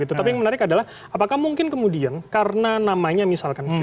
tapi yang menarik adalah apakah mungkin kemudian karena namanya misalkan